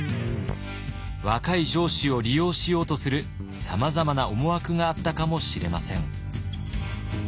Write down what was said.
若い城主を利用しようとするさまざまな思惑があったかもしれません。